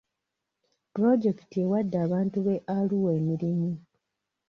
Pulojekiti ewadde abantu be Arua emirimu.